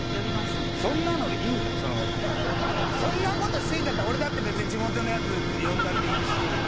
そんな事していいんだったら俺だって別に地元のヤツ呼んだっていいし。